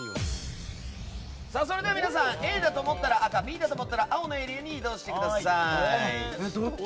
それでは皆さんＡだと思ったら赤Ｂだと思ったら青のエリアに移動してください。